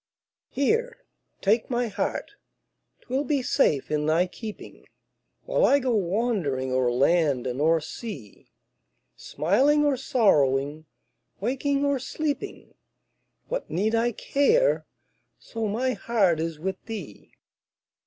Here, take my heart 'twill be safe in thy keeping, While I go wandering o'er land and o'er sea; Smiling or sorrowing, waking or sleeping, What need I care, so my heart is with thee?